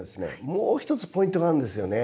もう一つポイントがあるんですよね。